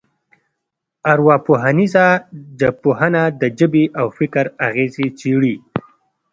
ارواپوهنیزه ژبپوهنه د ژبې او فکر اغېزې څېړي